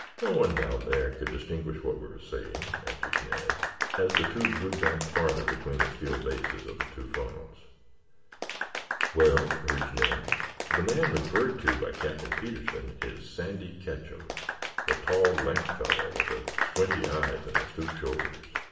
"No one down there could distinguish what we were saying," answered Ned, as the two drew back farther between the steel bases of the two funnels. "Well?" urged Ned. "The man referred to by Captain Petersen is Sandy Ketcham, the tall, lank fellow, with the squinty eyes and the stoop shoulders.